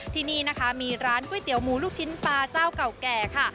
ที่นี่นะคะมีร้านก๋วยเตี๋ยวหมูลูกชิ้นปลาเจ้าเก่าแก่ค่ะ